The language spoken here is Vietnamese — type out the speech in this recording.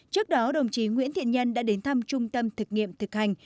trước đó đồng chí nguyễn thiện nhân đã đến thăm trung tâm thực nghiệm thực hành